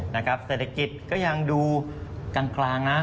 เศรษฐกิจก็ยังดูกลางนะ